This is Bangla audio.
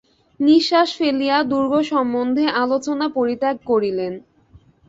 নিশ্বাস ফেলিয়া দুর্গ সম্বন্ধে আলোচনা পরিত্যাগ করিলেন।